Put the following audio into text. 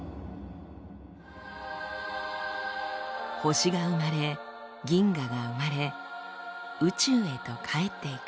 星が生まれ銀河が生まれ宇宙へとかえっていく。